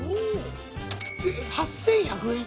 ８，１００円！？